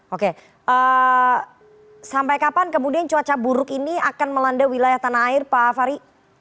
oke sampai kapan kemudian cuaca buruk ini akan melanda wilayah tanah air pak fahri